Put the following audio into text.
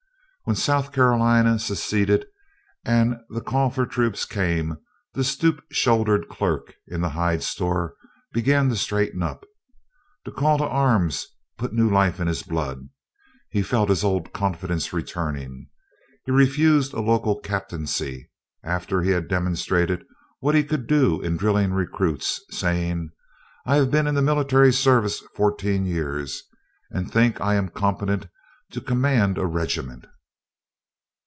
When South Carolina seceded and the call for troops came, the stoop shouldered clerk in the hide store began to straighten up. The call to arms put new life in his blood. He felt his old confidence returning. He refused a local captaincy, after he had demonstrated what he could do in drilling recruits, saying: "I have been in the military service fourteen years, and think I am competent to command a regiment."